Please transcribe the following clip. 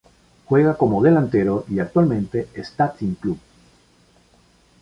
Juega como delantero y actualmente está sin club.